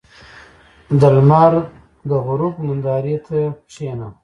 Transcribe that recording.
• د لمر د غروب نندارې ته کښېنه.